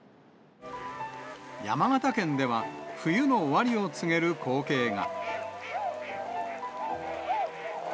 山形県では冬の終わりを告げる光景が。